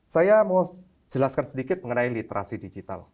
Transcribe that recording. saya mau jelaskan sedikit mengenai literasi digital